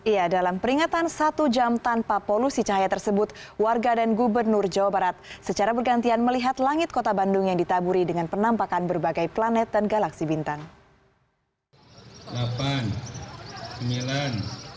ya dalam peringatan satu jam tanpa polusi cahaya tersebut warga dan gubernur jawa barat secara bergantian melihat langit kota bandung yang ditaburi dengan penampakan berbagai planet dan galaksi bintang